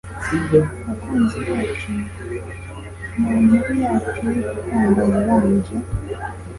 Bakunzi bacu, munkuru yacu y'urukundo yabanje